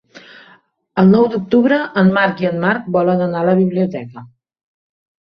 El nou d'octubre en Marc i en Marc volen anar a la biblioteca.